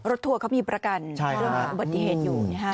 รถทัวร์เขามีประกันเรื่องปฏิเหตุอยู่